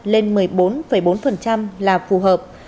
lên một mươi bốn bốn là phù hợp